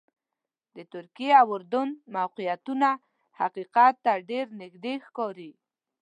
د ترکیې او اردن موقعیتونه حقیقت ته ډېر نږدې ښکاري.